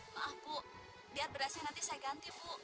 wah bu biar berasnya nanti saya ganti bu